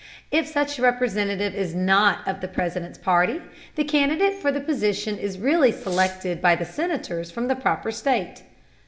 If such Representative is not of the President's party, the candidate for the position is really selected by the Senators from the proper state.